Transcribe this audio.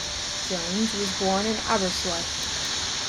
Jones was born in Aberystwyth.